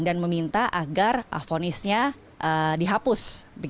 dan meminta agar afonisnya dihapus